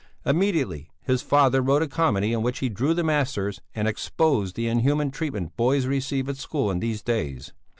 Immediately his father wrote a comedy in which he drew the masters and exposed the inhuman treatment boys receive at school in these days.